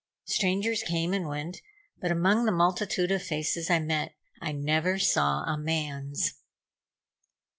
Strangers came and went, but among the multitude of faces I met, I never saw a man's.